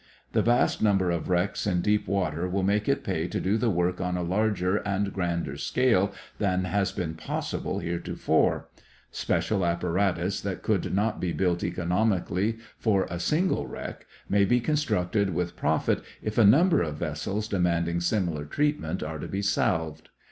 The vast number of wrecks in deep water will make it pay to do the work on a larger and grander scale than has been possible heretofore. Special apparatus that could not be built economically for a single wreck may be constructed with profit if a number of vessels demanding similar treatment are to be salved.